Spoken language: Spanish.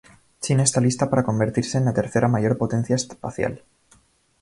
China está lista para convertirse en la tercera mayor potencia espacial.